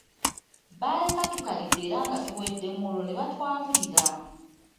Baleka tukalidde era nga tuwedemu olwo ne batwabulira.